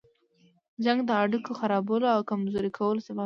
جنګ د اړيکو خرابولو او کمزوري کولو سبب دی.